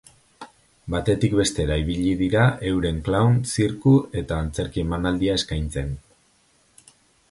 Batetik bestera ibili dira euren klown, zirku eta antzerki emanaldia eskaintzen.